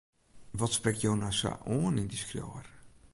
Wat sprekt jo no sa oan yn dy skriuwer?